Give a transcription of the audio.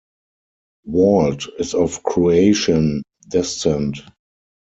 Walt is of Croatian descent.